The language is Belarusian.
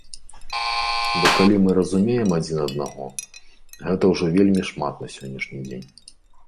Бо калі мы разумеем адзін аднаго, гэта ўжо вельмі шмат на сённяшні дзень.